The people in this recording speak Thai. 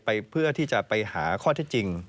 เพื่อที่จะไปหาข้อเท็จจริง